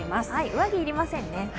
上着要りませんね。